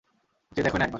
চেয়ে দেখোই না একবার?